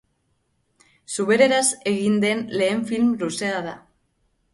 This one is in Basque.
Zubereraz egin den lehen film luzea da.